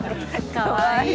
かわいい。